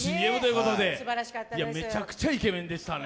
めちゃくちゃイケメンでしたね。